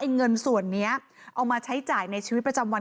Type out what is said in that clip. เงินส่วนนี้เอามาใช้จ่ายในชีวิตประจำวัน